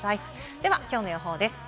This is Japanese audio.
では、きょうの予報です。